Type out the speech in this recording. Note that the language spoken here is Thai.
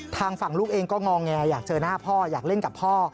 ทางฝั่งลูกเองก็งอแงอยากเจอหน้าพ่ออยากเล่นกับพ่อ